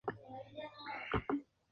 El matrimonio, sin embargo, no fue feliz.